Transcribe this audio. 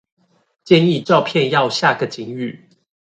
建議照片要下個警語